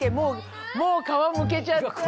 もう皮むけちゃったよ。